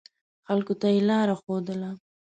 خلکو ته یې لاره ښودله.